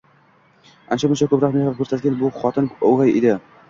ancha-muncha ko'proq mehr ko'rsatgan bu xotin o'gay edi.